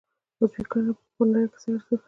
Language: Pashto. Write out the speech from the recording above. عضوي کرنه په نړۍ کې ارزښت لري